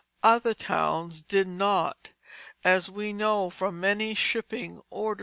Other towns did not, as we know from many shipping orders.